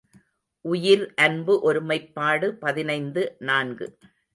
உயிர் அன்பு ஒருமைப்பாடு பதினைந்து நான்கு.